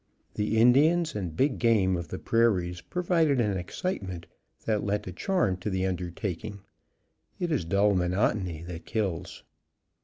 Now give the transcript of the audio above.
The Indians and big game of the prairies provided excitement that lent a charm to the undertaking; it is dull monotony that kills.